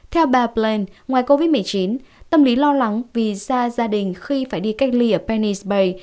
theo bà blaine ngoài covid một mươi chín tâm lý lo lắng vì ra gia đình khi phải đi cách ly ở penis bay